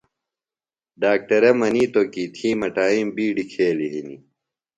ڈاکٹرہ منِیتوۡ کیۡ تھی مٹائیم بِیڈیۡ کھیلیۡ ہِنیۡ